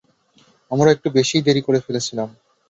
আমরা একটু বেশীই দেরি করে ফেলেছিলাম!